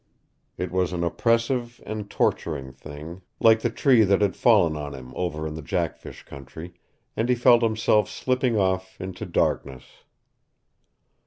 It was an oppressive and torturing thing, like the tree that had fallen on him over in the Jackfish country, and he felt himself slipping off into darkness.